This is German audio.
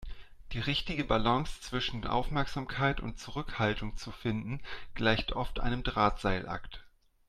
Die richtige Balance zwischen Aufmerksamkeit und Zurückhaltung zu finden, gleicht oft einem Drahtseilakt.